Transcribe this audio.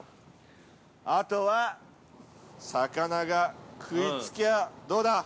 あとは、魚が食いつけばどうだ。